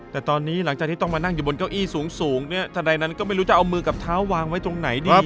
แต่ตอนนี้หลังจากที่ต้องมานั่งอยู่บนเก้าอี้สูงเนี่ยทันใดนั้นก็ไม่รู้จะเอามือกับเท้าวางไว้ตรงไหนดี